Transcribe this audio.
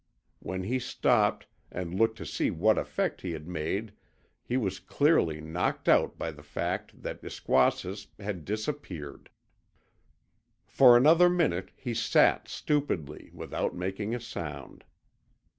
When he stopped, and looked to see what effect he had made he was clearly knocked out by the fact that Iskwasis had disappeared. For another minute he sat stupidly, without making a sound.